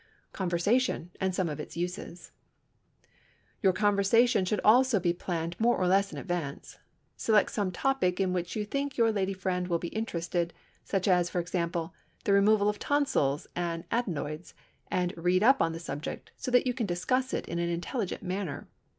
CONVERSATION AND SOME OF ITS USES Your conversation should also be planned more or less in advance. Select some topic in which you think your lady friend will be interested, such as, for example, the removal of tonsils and adenoids, and "read up" on the subject so that you can discuss it in an intelligent manner.